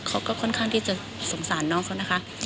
เขาก็ค่อนข้างที่จะสงสารน้องเขานะคะ